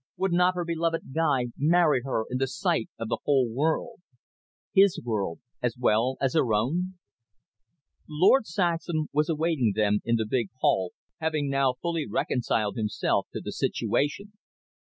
Would not her beloved Guy marry her in the sight of the whole world? His world as well as her own? Lord Saxham was awaiting them in the big hall, having now fully reconciled himself to the situation.